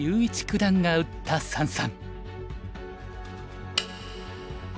段が打った三々。